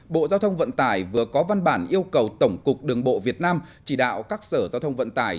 bộ giao thông vận tải vừa có văn bản yêu cầu tổng cục đường bộ việt nam chỉ đạo các sở giao thông vận tải